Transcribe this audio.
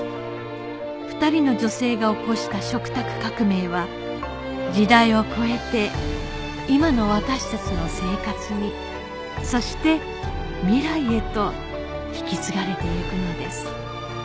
２人の女性が起こした食卓革命は時代を越えて今の私たちの生活にそして未来へと引き継がれてゆくのです